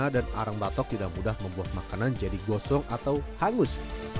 dan arang batok tidak mudah membuat makanan jadi gosong atau hangus